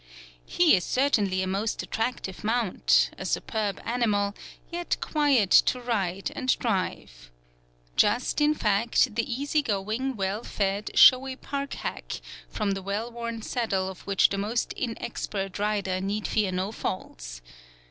He is certainly a most attractive mount: a superb animal, yet quiet to ride and drive. Just, in fact, the easy going, well fed, showy park hack, from the well worn saddle of which the most inexpert rider need fear no falls.